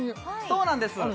そうなんです